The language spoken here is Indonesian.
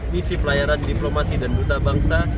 misi pelayaran diplomasi dan duta bangsa